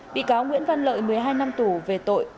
bị cáo nguyễn văn lợi một mươi hai năm tù về tội